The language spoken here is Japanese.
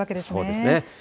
そうですね。